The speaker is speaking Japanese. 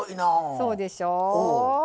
そうでしょう？